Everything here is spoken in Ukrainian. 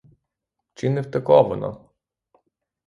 Чи не втекла вона?